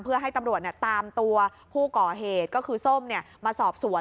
เพื่อให้ตำรวจตามตัวผู้ก่อเหตุก็คือส้มมาสอบสวน